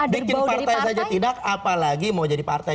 bikin partai saja tidak apalagi mau jadi partai